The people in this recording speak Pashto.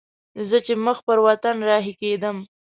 زه چې مخ پر وطن رهي کېدم.